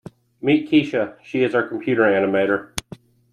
Meet Kesha, she is our computer animator.